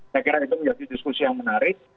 saya kira itu menjadi diskusi yang menarik